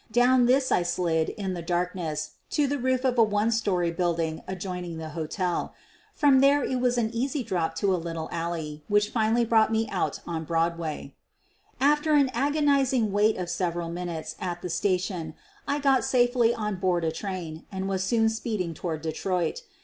Down this I slid in the darkness to the roof of a one story building ad joining the hotel. From there it was an easy drop to a little alley, which finally brought me out on Broadway. ; After an agonizing wait of several minutes at the station I got safely on board a train and was soon speeding toward Detroit.